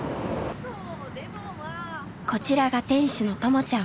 こちらが店主の「ともちゃん」。